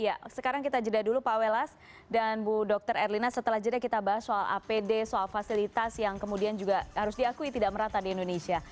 ya sekarang kita jeda dulu pak welas dan bu dr erlina setelah jeda kita bahas soal apd soal fasilitas yang kemudian juga harus diakui tidak merata di indonesia